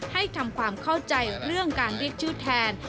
ให้ทำความเข้าใจเรื่องการเรียกชื่อแทน